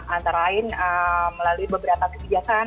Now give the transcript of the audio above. antara lain melalui beberapa kebijakan